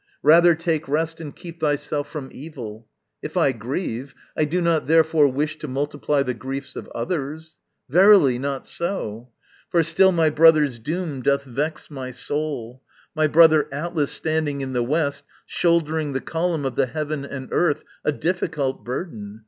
Rather take rest And keep thyself from evil. If I grieve, I do not therefore wish to multiply The griefs of others. Verily, not so! For still my brother's doom doth vex my soul, My brother Atlas, standing in the west, Shouldering the column of the heaven and earth, A difficult burden!